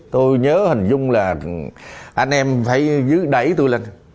tôi nhớ hình dung là anh em phải dưới đẩy tôi lên